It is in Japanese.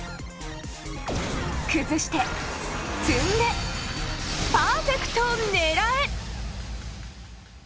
崩して積んでパーフェクトを狙え！